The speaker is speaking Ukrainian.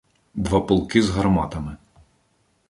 — Два полки з гарматами.